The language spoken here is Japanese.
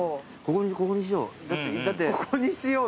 ここにしよう。